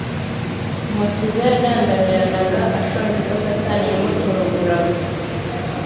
Umukiza yadandabiranaga ashonje ubwo Satani yamuturuguraga.